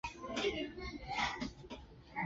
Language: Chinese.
最后才给予神父的身分。